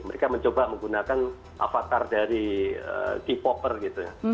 mereka mencoba menggunakan avatar dari k popers gitu